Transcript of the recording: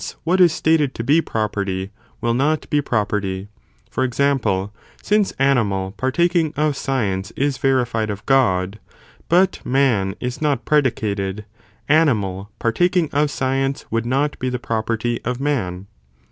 what is stated to be property, will not be property: For example, since animal partaking of science is verified of God, but man is not predicated, animal partaking of science would not be the property of man.